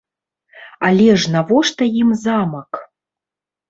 Але ж навошта ім замак?